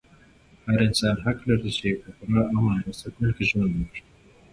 هر انسان حق لري چې په پوره امن او سکون کې ژوند وکړي.